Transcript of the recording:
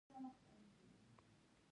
د تسلیمولو پر مهال لاسلیک واخلئ.